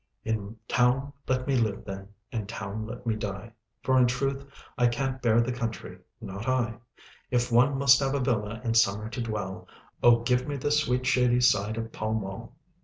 "In town let me live then, In town let me die. For in truth I can't bear the country, not I. If one must have a villa in summer to dwell, Oh! give me the sweet, shady side of Pall Mall."